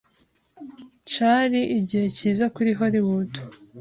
Cari igihe cyiza kuri Hollywood.